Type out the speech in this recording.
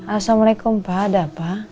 assalamualaikum pak ada apa